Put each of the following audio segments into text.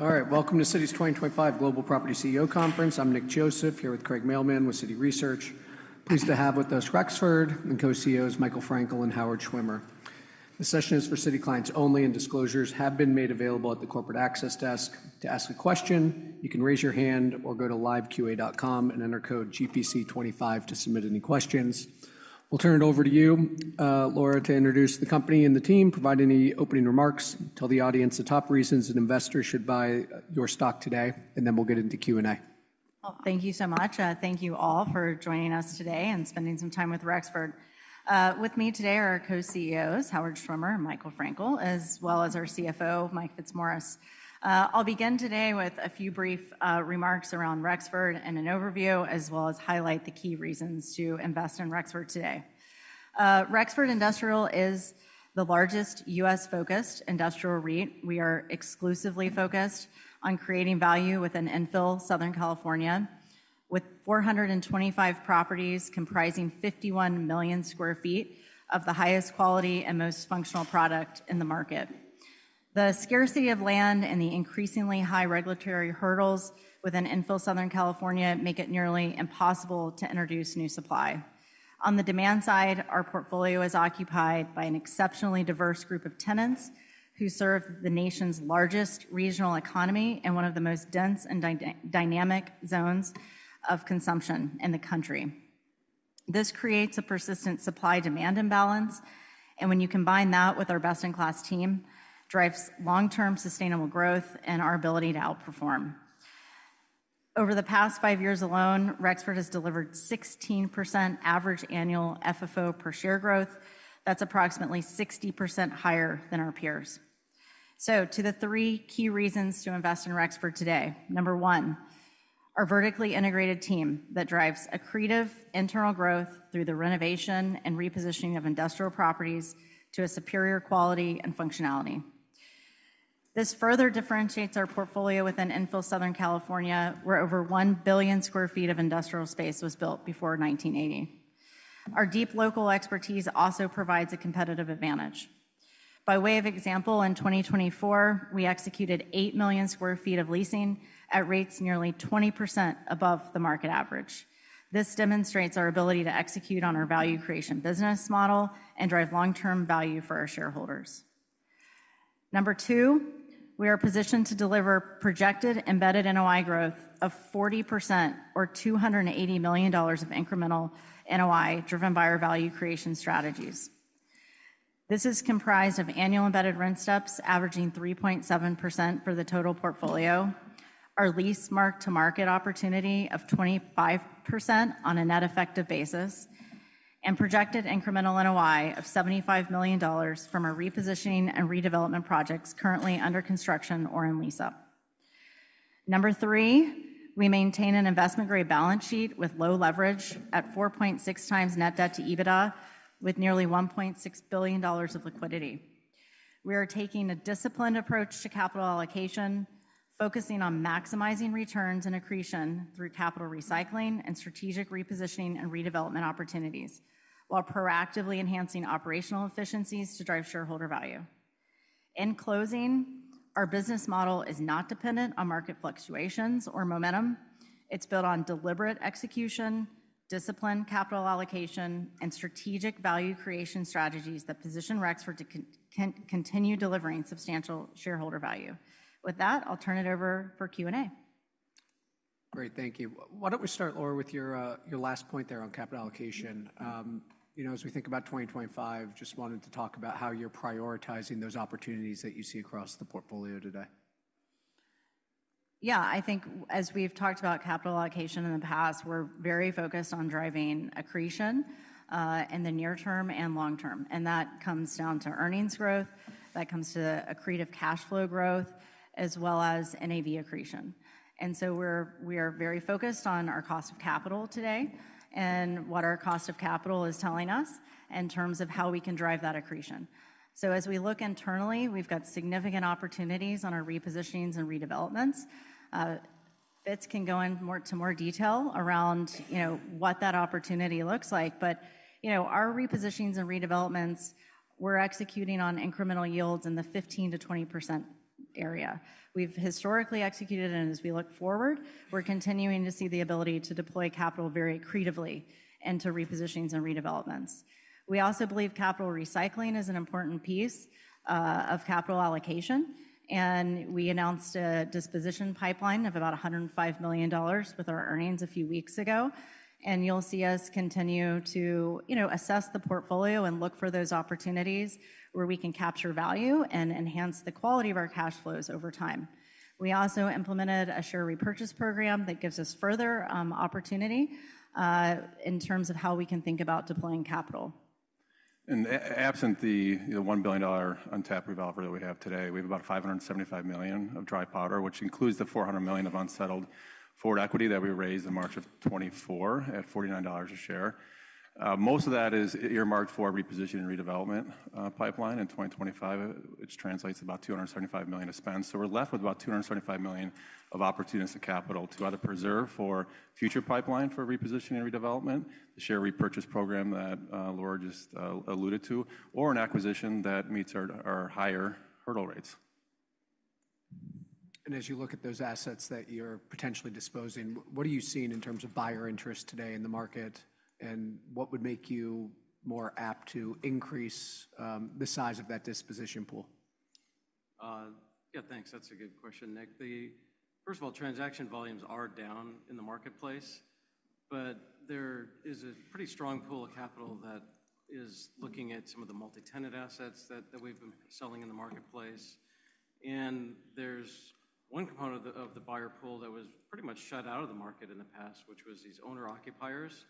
All right, welcome to Citi 2025 Global Property CEO Conference. I'm Nick Joseph here with Craig Mailman with Citi Research. Pleased to have with us Rexford and co-CEOs Michael Frankel and Howard Schwimmer. The session is for Citi clients only, and disclosures have been made available at the Corporate Access Desk. To ask a question, you can raise your hand or go to liveqa.com and enter code GPC25 to submit any questions. We'll turn it over to you, Laura, to introduce the company and the team, provide any opening remarks, tell the audience the top reasons an investor should buy your stock today, and then we'll get into Q&A. Thank you so much. Thank you all for joining us today and spending some time with Rexford. With me today are our co-CEOs, Howard Schwimmer and Michael Frankel, as well as our CFO, Mike Fitzmaurice. I'll begin today with a few brief remarks around Rexford and an overview, as well as highlight the key reasons to invest in Rexford today. Rexford Industrial is the largest U.S.-focused industrial REIT. We are exclusively focused on creating value within infill Southern California, with 425 properties comprising 51 million sq ft of the highest quality and most functional product in the market. The scarcity of land and the increasingly high regulatory hurdles within infill Southern California, make it nearly impossible to introduce new supply. On the demand side, our portfolio is occupied by an exceptionally diverse group of tenants who serve the nation's largest regional economy and one of the most dense and dynamic zones of consumption in the country. This creates a persistent supply-demand imbalance, and when you combine that with our best-in-class team, it drives long-term sustainable growth and our ability to outperform. Over the past five years alone, Rexford has delivered 16% average annual FFO per share growth. That's approximately 60% higher than our peers. So to the three key reasons to invest in Rexford today. Number one, our vertically integrated team that drives accretive internal growth through the renovation and repositioning of industrial properties to a superior quality and functionality. This further differentiates our portfolio within infill Southern California, where over 1 billion sq ft of industrial space was built before 1980. Our deep local expertise also provides a competitive advantage. By way of example, in 2024, we executed 8 million sq ft of leasing at rates nearly 20% above the market average. This demonstrates our ability to execute on our value creation business model and drive long-term value for our shareholders. Number two, we are positioned to deliver projected embedded NOI growth of 40% or $280 million of incremental NOI driven by our value creation strategies. This is comprised of annual embedded rent steps averaging 3.7% for the total portfolio, our lease mark-to-market opportunity of 25% on a net effective basis, and projected incremental NOI of $75 million from our repositioning and redevelopment projects currently under construction or in lease-up. Number three, we maintain an investment-grade balance sheet with low leverage at 4.6 times net debt to EBITDA, with nearly $1.6 billion of liquidity. We are taking a disciplined approach to capital allocation, focusing on maximizing returns and accretion through capital recycling and strategic repositioning and redevelopment opportunities, while proactively enhancing operational efficiencies to drive shareholder value. In closing, our business model is not dependent on market fluctuations or momentum. It's built on deliberate execution, discipline, capital allocation, and strategic value creation strategies that position Rexford to continue delivering substantial shareholder value. With that, I'll turn it over for Q&A. Great, thank you. Why don't we start, Laura, with your last point there on capital allocation? You know, as we think about 2025, just wanted to talk about how you're prioritizing those opportunities that you see across the portfolio today. Yeah, I think as we've talked about capital allocation in the past, we're very focused on driving accretion in the near term and long term. And that comes down to earnings growth, that comes to accretive cash flow growth, as well as NAV accretion. And so we're very focused on our cost of capital today and what our cost of capital is telling us in terms of how we can drive that accretion. So as we look internally, we've got significant opportunities on our repositionings and redevelopments. Fitz can go into more detail around what that opportunity looks like. But our repositionings and redevelopments, we're executing on incremental yields in the 15%-20% area. We've historically executed it, and as we look forward, we're continuing to see the ability to deploy capital very accretively into repositionings and redevelopments. We also believe capital recycling is an important piece of capital allocation, and we announced a disposition pipeline of about $105 million with our earnings a few weeks ago. And you'll see us continue to assess the portfolio and look for those opportunities where we can capture value and enhance the quality of our cash flows over time. We also implemented a share repurchase program that gives us further opportunity in terms of how we can think about deploying capital. Absent the $1 billion untapped revolver that we have today, we have about $575 million of dry powder, which includes the $400 million of unsettled forward equity that we raised in March of 2024 at $49 a share. Most of that is earmarked for a repositioning and redevelopment pipeline. In 2025, which translates to about $275 million to spend. We're left with about $275 million of opportunities in capital to either preserve for future pipeline for repositioning and redevelopment, the share repurchase program that Laura just alluded to, or an acquisition that meets our higher hurdle rates. As you look at those assets that you're potentially disposing, what are you seeing in terms of buyer interest today in the market, and what would make you more apt to increase the size of that disposition pool? Yeah, thanks. That's a good question, Nick. First of all, transaction volumes are down in the marketplace, but there is a pretty strong pool of capital that is looking at some of the multi-tenant assets that we've been selling in the marketplace. There's one component of the buyer pool that was pretty much shut out of the market in the past, which was these owner occupiers.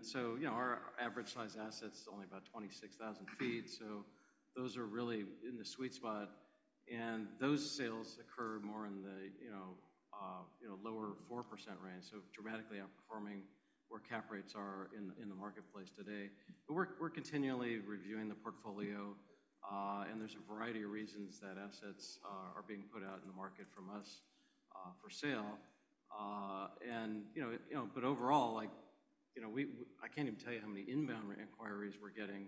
So our average size assets are only about 26,000 sq ft. Those are really in the sweet spot. Those sales occur more in the lower 4% range, so dramatically outperforming where cap rates are in the marketplace today. We're continually reviewing the portfolio, and there's a variety of reasons that assets are being put out in the market from us for sale. Overall, I can't even tell you how many inbound inquiries we're getting.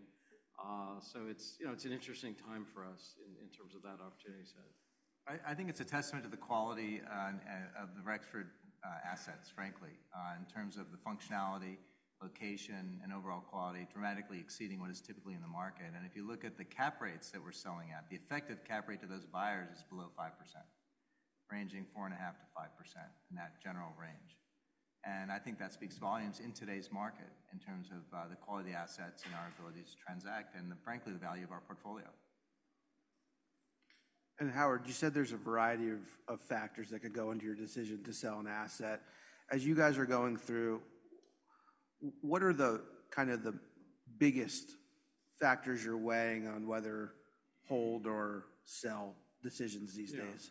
It's an interesting time for us in terms of that opportunity size. I think it's a testament to the quality of the Rexford assets, frankly, in terms of the functionality, location, and overall quality, dramatically exceeding what is typically in the market, and if you look at the cap rates that we're selling at, the effective cap rate to those buyers is below 5%, ranging 4.5%-5% in that general range, and I think that speaks volumes in today's market in terms of the quality of the assets and our ability to transact and, frankly, the value of our portfolio. Howard, you said there's a variety of factors that could go into your decision to sell an asset. As you guys are going through, what are the kind of biggest factors you're weighing on whether hold or sell decisions these days?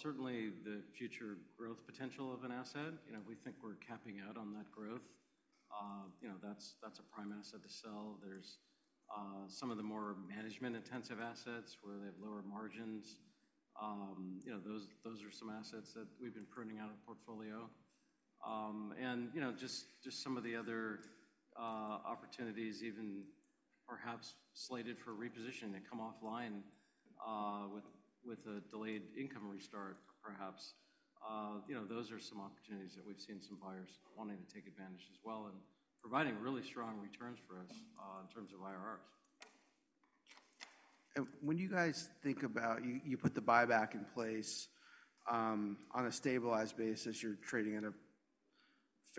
Certainly the future growth potential of an asset. We think we're capping out on that growth. That's a prime asset to sell. There's some of the more management-intensive assets where they have lower margins. Those are some assets that we've been pruning out of the portfolio. Just some of the other opportunities, even perhaps slated for repositioning that come offline with a delayed income restart, perhaps. Those are some opportunities that we've seen some buyers wanting to take advantage as well and providing really strong returns for us in terms of IRRs. And when you guys think about you put the buyback in place on a stabilized basis, you're trading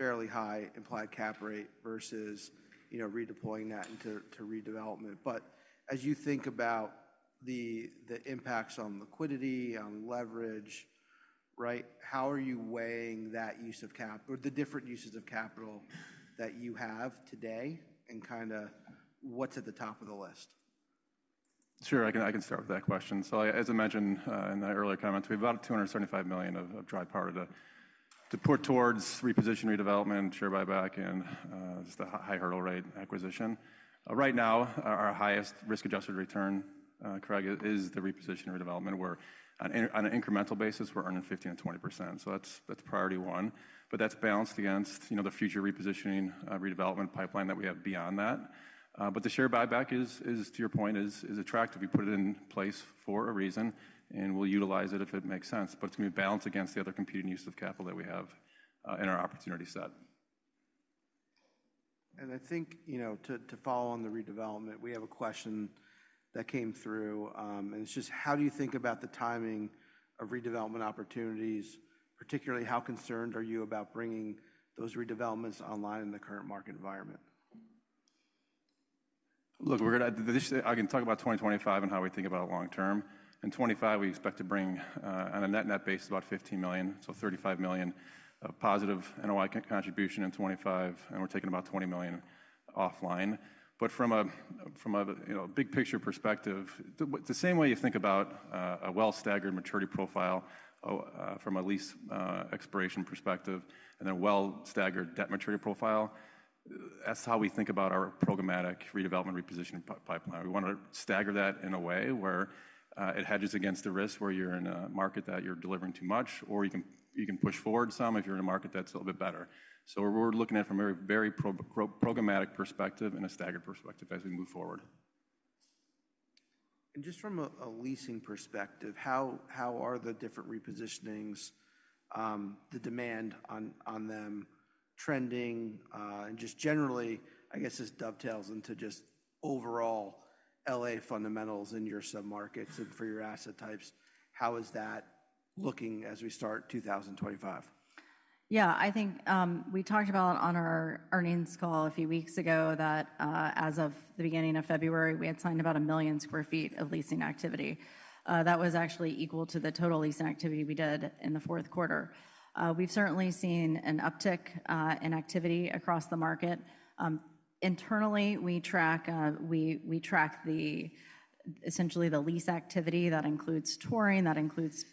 at a fairly high implied cap rate versus redeploying that into redevelopment. But as you think about the impacts on liquidity, on leverage, how are you weighing that use of capital or the different uses of capital that you have today and kind of what's at the top of the list? Sure, I can start with that question. So as I mentioned in the earlier comments, we've got $275 million of dry powder to put towards repositioning, redevelopment, share buyback, and just a high hurdle rate acquisition. Right now, our highest risk-adjusted return, Craig, is the repositioning and redevelopment where on an incremental basis, we're earning 15%-20%. So that's priority one. But that's balanced against the future repositioning, redevelopment pipeline that we have beyond that. But the share buyback, to your point, is attractive. You put it in place for a reason and will utilize it if it makes sense. But it's going to be balanced against the other competing use of capital that we have in our opportunity set. I think to follow on the redevelopment, we have a question that came through, and it's just how do you think about the timing of redevelopment opportunities, particularly how concerned are you about bringing those redevelopments online in the current market environment? Look, I can talk about 2025 and how we think about it long term. In 2025, we expect to bring on a net-net base about $15 million, so $35 million of positive NOI contribution in 2025, and we're taking about $20 million offline, but from a big picture perspective, the same way you think about a well-staggered maturity profile from a lease expiration perspective and a well-staggered debt maturity profile, that's how we think about our programmatic redevelopment, repositioning pipeline. We want to stagger that in a way where it hedges against the risk where you're in a market that you're delivering too much, or you can push forward some if you're in a market that's a little bit better, so we're looking at it from a very programmatic perspective and a staggered perspective as we move forward. Just from a leasing perspective, how are the different repositionings, the demand on them trending? Just generally, I guess this dovetails into just overall LA fundamentals in your submarkets and for your asset types. How is that looking as we start 2025? Yeah, I think we talked about on our earnings call a few weeks ago that as of the beginning of February, we had signed about a million sq ft of leasing activity. That was actually equal to the total leasing activity we did in the Q4. We've certainly seen an uptick in activity across the market. Internally, we track essentially the lease activity. That includes touring. That includes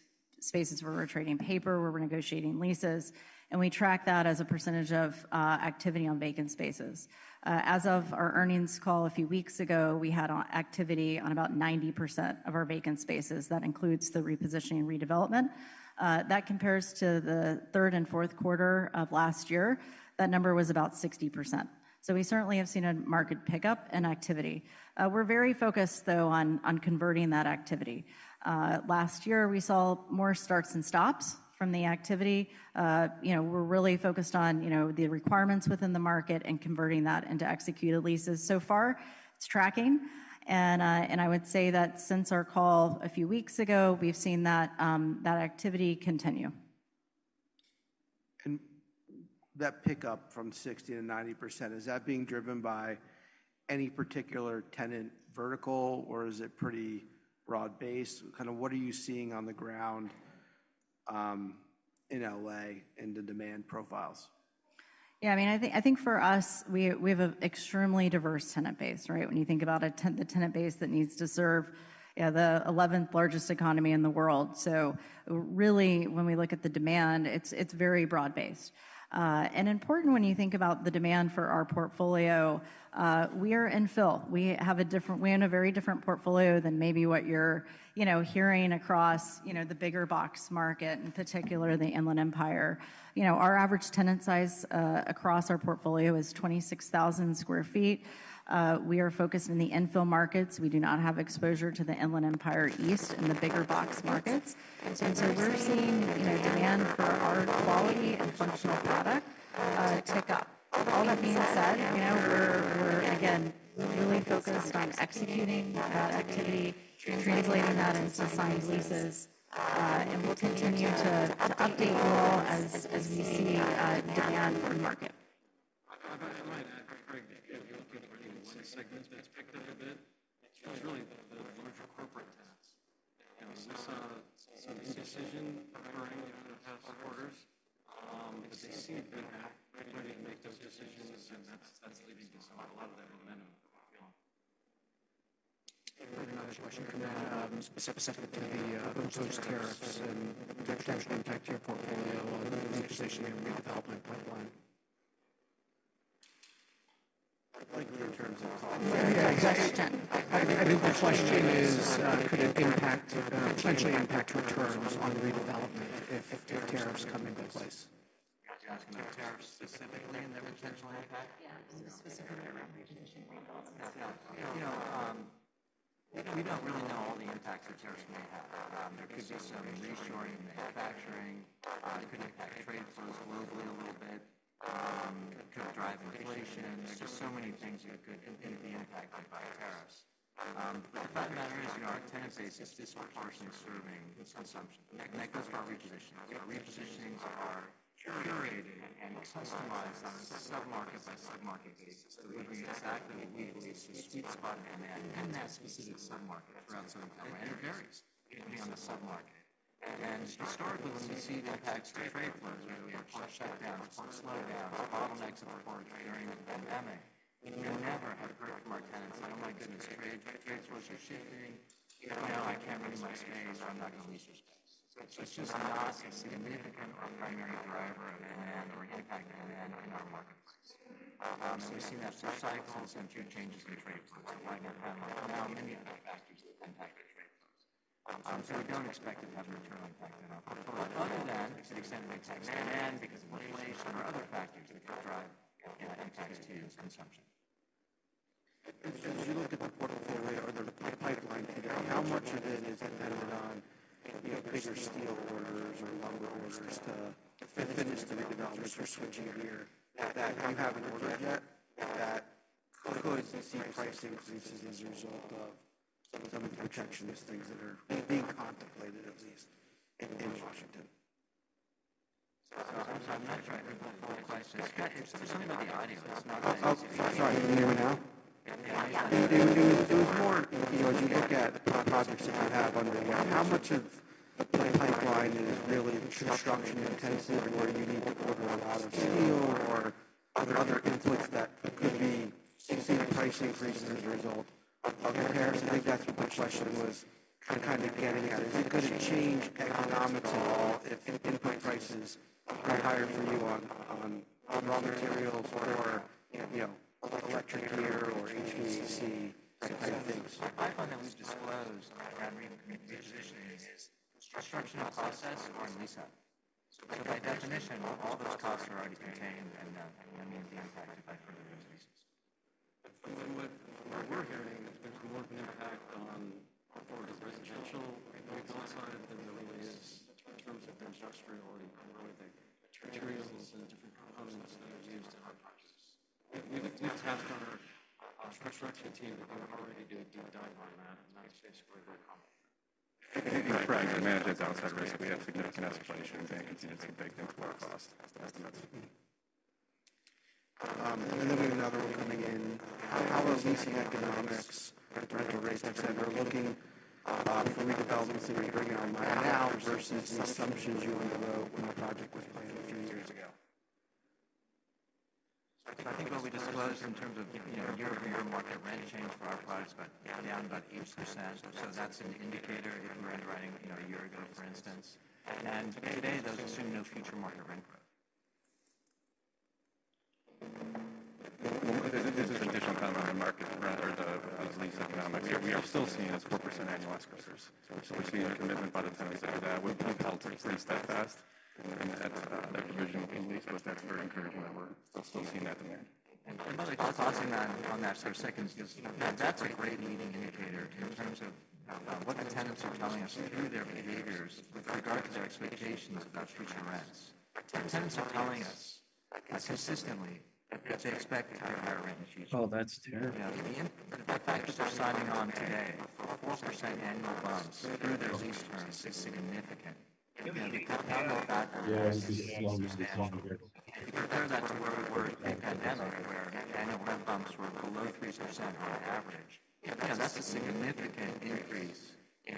spaces where we're trading paper, where we're negotiating leases. And we track that as a percentage of activity on vacant spaces. As of our earnings call a few weeks ago, we had activity on about 90% of our vacant spaces. That includes the repositioning and redevelopment. That compares to the third and Q4 of last year. That number was about 60%. So we certainly have seen a market pickup in activity. We're very focused, though, on converting that activity. Last year, we saw more starts and stops from the activity. We're really focused on the requirements within the market and converting that into executed leases. So far, it's tracking. And I would say that since our call a few weeks ago, we've seen that activity continue. That pickup from 60% to 90%, is that being driven by any particular tenant vertical, or is it pretty broad-based? Kind of what are you seeing on the ground in LA and the demand profiles? Yeah, I mean, I think for us, we have an extremely diverse tenant base, right? When you think about the tenant base that needs to serve the 11th largest economy in the world. So really, when we look at the demand, it's very broad-based. And important when you think about the demand for our portfolio, we are infill. We have a very different portfolio than maybe what you're hearing across the bigger box market, in particular the Inland Empire. Our average tenant size across our portfolio is 26,000 sq ft. We are focused in the infill markets. We do not have exposure to the Inland Empire East and the bigger box markets. And so we're seeing demand for our quality and functional product tick up. All that being said, we're, again, really focused on executing activity, translating that into signed leases, and we'll continue to update you all as we see demand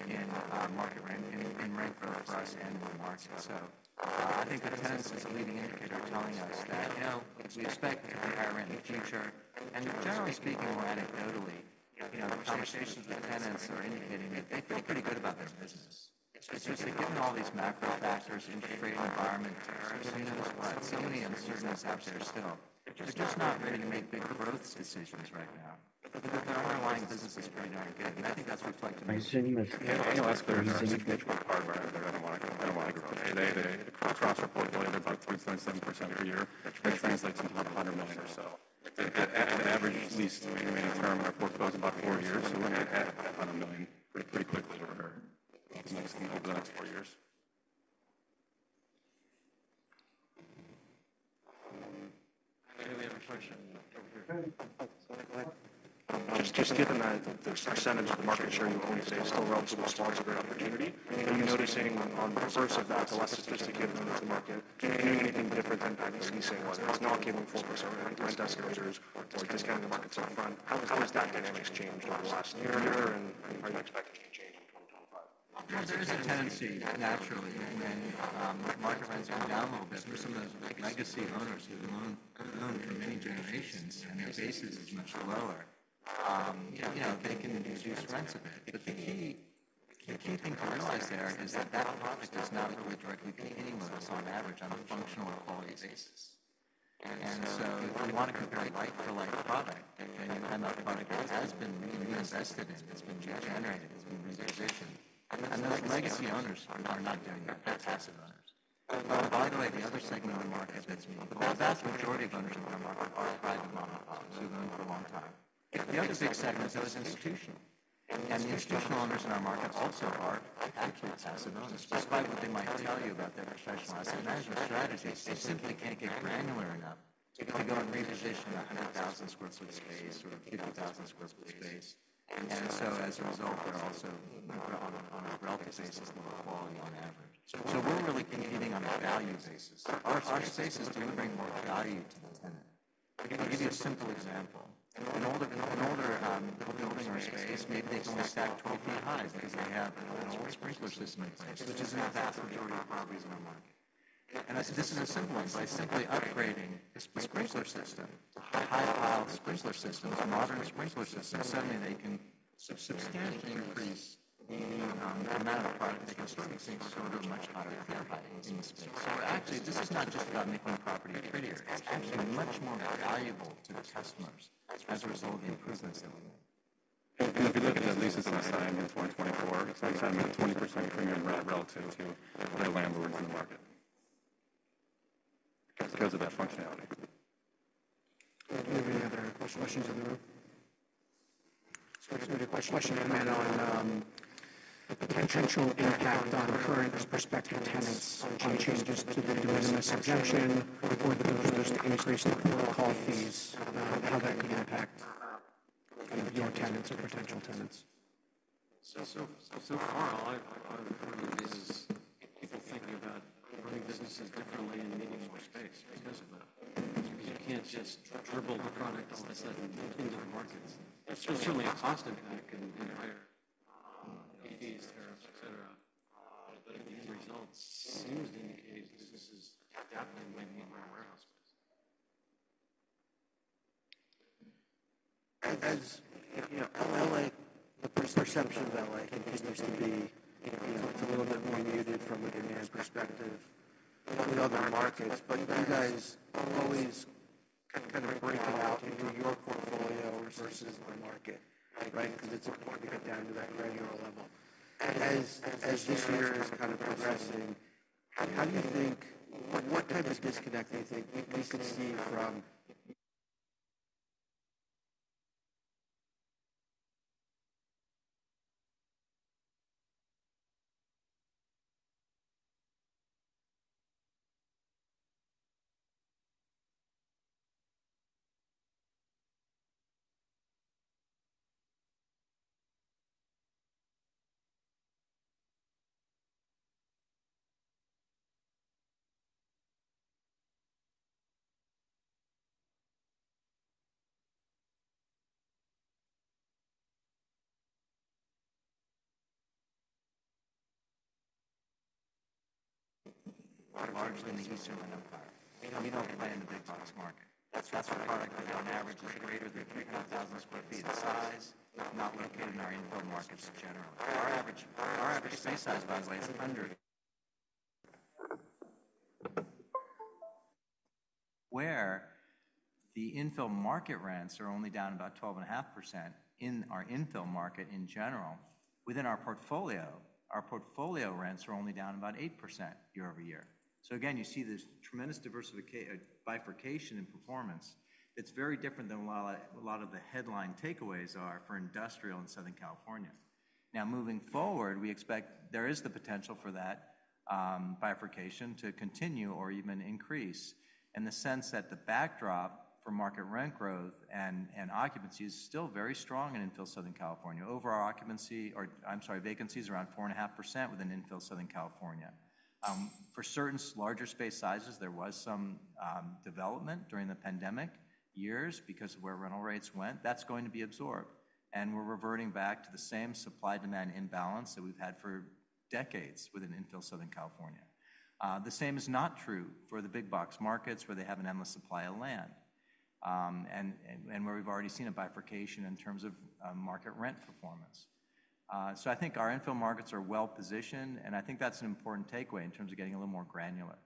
in the market. Where the infill market rents are only down about 12.5% in our infill market in general, within our portfolio, our portfolio rents are only down about 8% year over year. So again, you see this tremendous bifurcation in performance. It's very different than a lot of the headline takeaways are for industrial in Southern California. Now, moving forward, we expect there is the potential for that bifurcation to continue or even increase in the sense that the backdrop for market rent growth and occupancy is still very strong in infill Southern California. Overall occupancy, or I'm sorry, vacancies around 4.5% within infill Southern California. For certain larger space sizes, there was some development during the pandemic years because of where rental rates went. That's going to be absorbed, and we're reverting back to the same supply-demand imbalance that we've had for decades within infill Southern California. The same is not true for the big box markets where they have an endless supply of land and where we've already seen a bifurcation in terms of market rent performance, so I think our infill markets are well positioned, and I think that's an important takeaway in terms of getting a little more granular.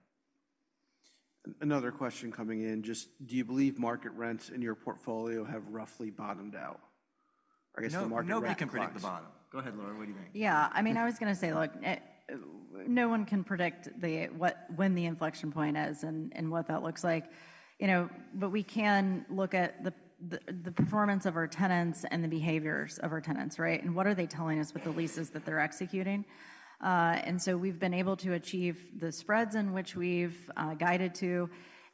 Another question coming in. Just do you believe market rents in your portfolio have roughly bottomed out? No, we can't predict the bottom. Go ahead, Laura, what do you think? Yeah, I mean, I was going to say, look, no one can predict when the inflection point is and what that looks like. But we can look at the performance of our tenants and the behaviors of our tenants, right? And what are they telling us with the leases that they're executing? And so we've been able to achieve the spreads in which we've guided to.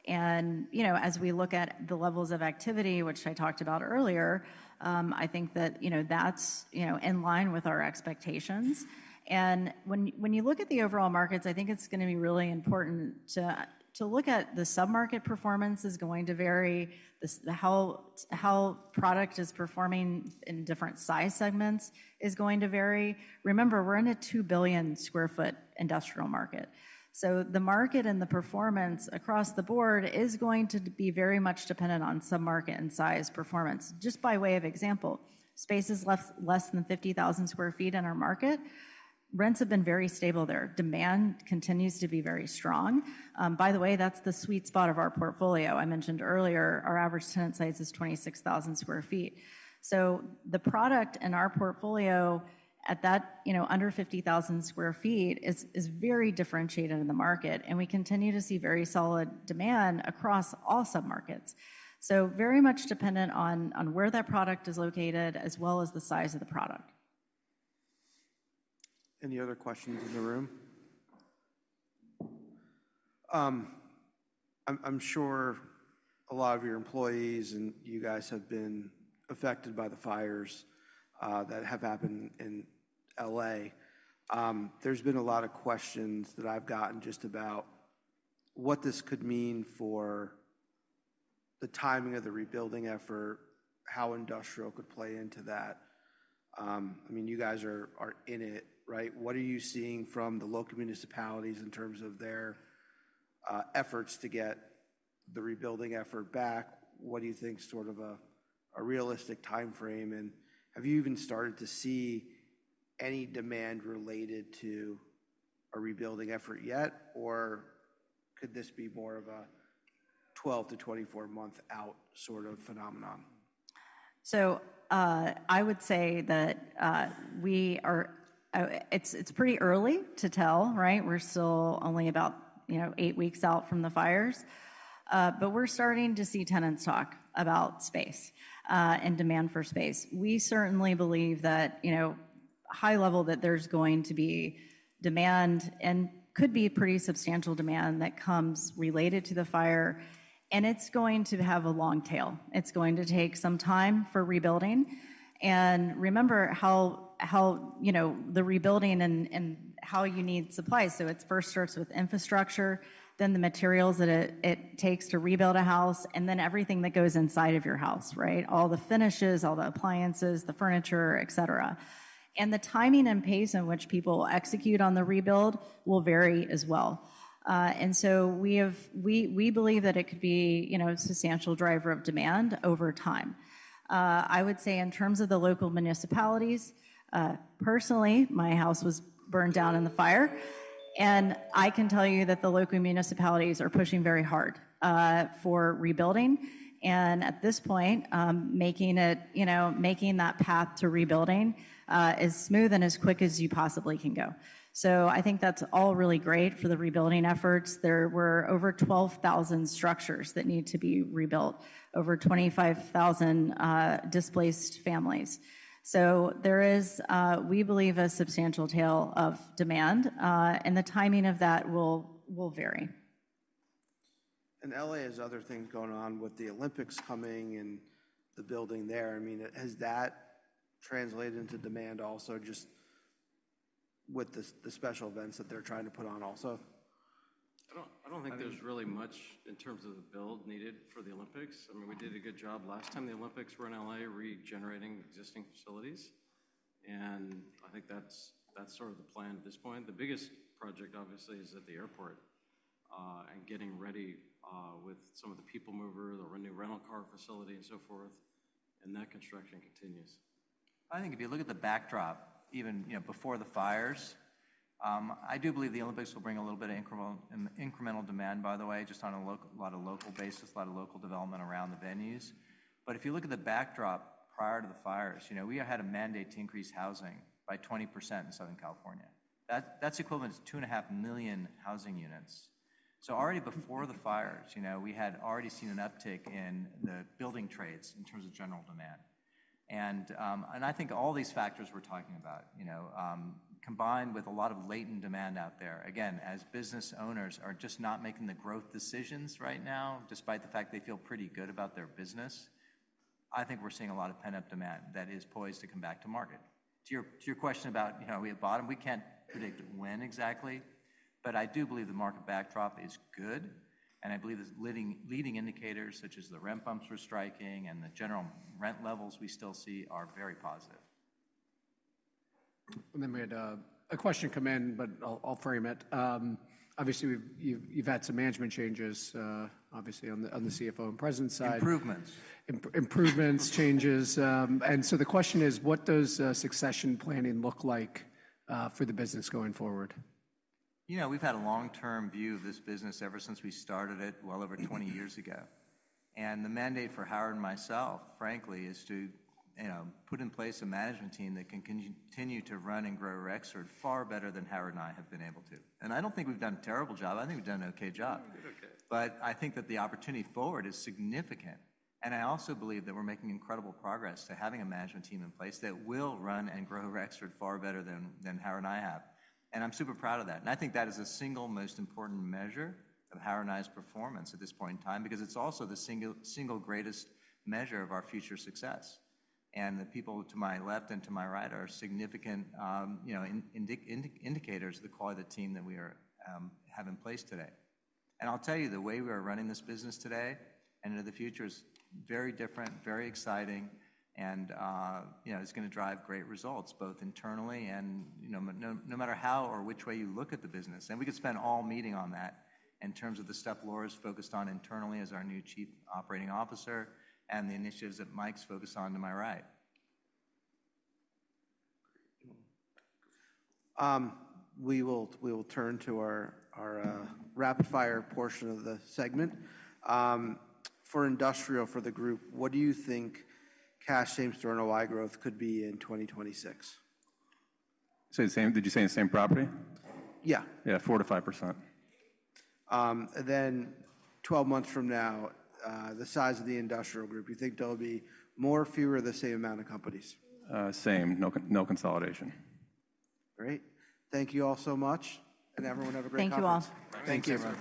And as we look at the levels of activity, which I talked about earlier, I think that that's in line with our expectations. And when you look at the overall markets, I think it's going to be really important to look at the submarket performance is going to vary. How product is performing in different size segments is going to vary. Remember, we're in a 2 billion sq ft industrial market. The market and the performance across the board is going to be very much dependent on submarket and size performance. Just by way of example, space is less than 50,000 sq ft in our market. Rents have been very stable there. Demand continues to be very strong. By the way, that's the sweet spot of our portfolio. I mentioned earlier, our average tenant size is 26,000 sq ft. So the product in our portfolio at that under 50,000 sq ft is very differentiated in the market, and we continue to see very solid demand across all submarkets. So very much dependent on where that product is located as well as the size of the product. Any other questions in the room? I'm sure a lot of your employees and you guys have been affected by the fires that have happened in LA. There's been a lot of questions that I've gotten just about what this could mean for the timing of the rebuilding effort, how industrial could play into that. I mean, you guys are in it, right? What are you seeing from the local municipalities in terms of their efforts to get the rebuilding effort back? What do you think sort of a realistic timeframe? And have you even started to see any demand related to a rebuilding effort yet, or could this be more of a 12- to 24-month out sort of phenomenon? So I would say that it's pretty early to tell, right? We're still only about eight weeks out from the fires. But we're starting to see tenants talk about space and demand for space. We certainly believe that high level that there's going to be demand and could be pretty substantial demand that comes related to the fire. And it's going to have a long tail. It's going to take some time for rebuilding. And remember how the rebuilding and how you need supplies. So it first starts with infrastructure, then the materials that it takes to rebuild a house, and then everything that goes inside of your house, right? All the finishes, all the appliances, the furniture, etc. And the timing and pace in which people execute on the rebuild will vary as well. And so we believe that it could be a substantial driver of demand over time. I would say in terms of the local municipalities, personally, my house was burned down in the fire, and I can tell you that the local municipalities are pushing very hard for rebuilding, and at this point, making that path to rebuilding is smooth and as quick as you possibly can go, so I think that's all really great for the rebuilding efforts. There were over 12,000 structures that need to be rebuilt, over 25,000 displaced families, so there is, we believe, a substantial tail of demand, and the timing of that will vary. LA has other things going on with the Olympics coming and the building there. I mean, has that translated into demand also just with the special events that they're trying to put on also? I don't think there's really much in terms of the build needed for the Olympics. I mean, we did a good job last time the Olympics were in LA regenerating existing facilities. And I think that's sort of the plan at this point. The biggest project, obviously, is at the airport and getting ready with some of the People Mover, the new rental car facility and so forth. And that construction continues. I think if you look at the backdrop, even before the fires, I do believe the Olympics will bring a little bit of incremental demand, by the way, just on a lot of local basis, a lot of local development around the venues. But if you look at the backdrop prior to the fires, we had a mandate to increase housing by 20% in Southern California. That's equivalent to 2.5 million housing units. So already before the fires, we had already seen an uptick in the building trades in terms of general demand. I think all these factors we're talking about, combined with a lot of latent demand out there, again, as business owners are just not making the growth decisions right now, despite the fact they feel pretty good about their business, I think we're seeing a lot of pent-up demand that is poised to come back to market. To your question about where we have bottom, we can't predict when exactly. I do believe the market backdrop is good. I believe the leading indicators such as the rent bumps were striking and the general rent levels we still see are very positive. Then we had a question come in, but I'll frame it. Obviously, you've had some management changes, obviously, on the CFO and president side. Improvements. Improvements, changes. And so the question is, what does succession planning look like for the business going forward? You know, we've had a long-term view of this business ever since we started it well over 20 years ago. And the mandate for Howard and myself, frankly, is to put in place a management team that can continue to run and grow Rexford far better than Howard and I have been able to. And I don't think we've done a terrible job. I think we've done an okay job. But I think that the opportunity forward is significant. And I also believe that we're making incredible progress to having a management team in place that will run and grow Rexford far better than Howard and I have. And I'm super proud of that. And I think that is a single most important measure of Howard and I's performance at this point in time because it's also the single greatest measure of our future success. The people to my left and to my right are significant indicators of the quality of the team that we have in place today. I'll tell you, the way we are running this business today and into the future is very different, very exciting, and it's going to drive great results both internally and no matter how or which way you look at the business. We could spend all meeting on that in terms of the stuff Laura's focused on internally as our new Chief Operating Officer and the initiatives that Mike's focused on to my right. We will turn to our rapid-fire portion of the segment. For industrial, for the group, what do you think cash same store NOI growth could be in 2026? Say the same. Did you say the same property? Yeah. Yeah, 4%-5%. Then 12 months from now, the size of the industrial group, you think there'll be more or fewer of the same amount of companies? Same. No consolidation. Great. Thank you all so much. And everyone, have a great time. Thank you all. Thank you.